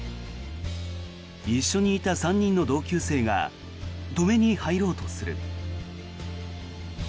一緒にいた３人の同級生が止めに入ろうとする。